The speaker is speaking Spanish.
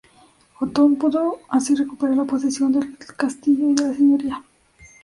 Otón pudo así recuperar la posesión del castillo y de la señoría.